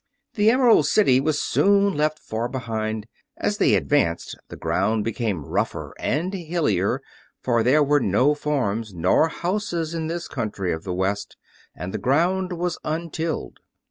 The Emerald City was soon left far behind. As they advanced the ground became rougher and hillier, for there were no farms nor houses in this country of the West, and the ground was untilled.